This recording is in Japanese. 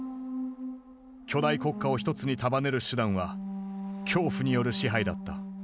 巨大国家をひとつに束ねる手段は恐怖による支配だった。